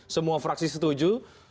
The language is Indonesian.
semua fraksi setuju